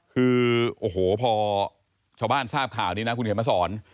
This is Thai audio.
คือโอ้โหพอชาวบ้านทราบข่าวนี้นะคุณเขียนมาสอน